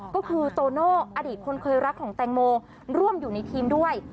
ก็คือโตโน่อดีตคนเคยรักของแตงโมร่วมอยู่ในทีมด้วย